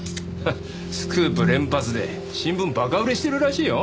スクープ連発で新聞バカ売れしてるらしいよ。